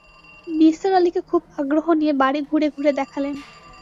নিসার আলিকে খুব আগ্রহ নিয়ে বাড়ি ঘুরে-ঘুরে দেখালেন।